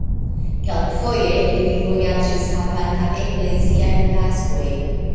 Kelkfoje li vojaĝis havanta ekleziajn taskojn.